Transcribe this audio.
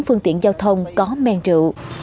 phương tiện giao thông có men rượu